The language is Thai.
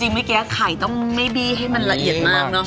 จริงเมื่อกี๊ไข่ต้องไม่มีให้มันละเอียดให้มาก